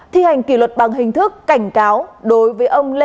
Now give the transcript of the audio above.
thi hành kỷ luật bằng hình thức cảnh cáo đối với ông lê